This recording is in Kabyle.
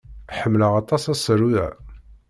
Ḥemmleɣ aṭas asaru-a.